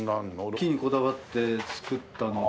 木にこだわって作ったので。